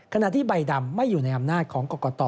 ขณะที่ใบดำไม่อยู่ในอำนาจของกรกต